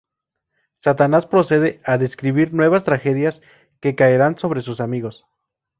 Satanás procede a describir nuevas tragedias que caerán sobre sus amigos.